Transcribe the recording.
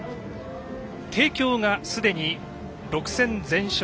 帝京がすでに６戦全勝。